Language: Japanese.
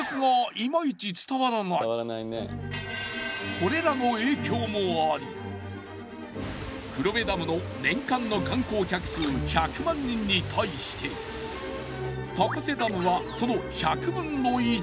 これらの影響もあり黒部ダムの年間の観光客数１００万人に対して高瀬ダムはその１００分の１。